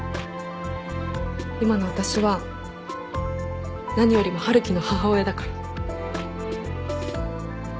今の私は何よりも春樹の母親だから。